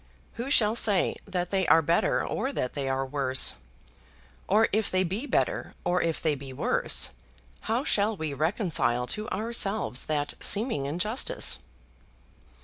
Who shall say that they are better or that they are worse? Or if they be better, or if they be worse, how shall we reconcile to ourselves that seeming injustice?